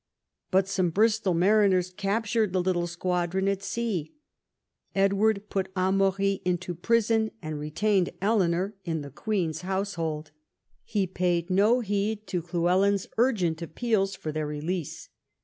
But some Bristol mariners captured the little squadron at sea. Edward put Amaury into prison and retained Eleanor in the queen's household. He paid no heed to Llywelyn's urgent appeals for their release.